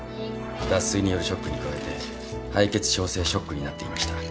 脱水によるショックに加えて敗血症性ショックになっていました。